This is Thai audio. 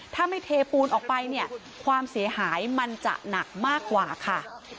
ถ้าไม่เทปูนออกไปเนี่ยความเสียหายมันจะหนักมากกว่าค่ะ